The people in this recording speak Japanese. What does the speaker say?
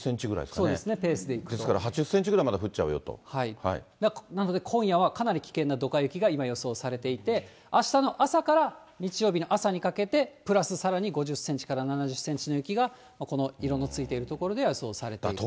そうですね、ですから、８０センチぐらいなので、今夜はかなり危険などか雪が今、予想されていて、あしたの朝から日曜日の朝にかけて、プラスさらに５０センチから７０センチの雪が、この色のついている所では予想されていると。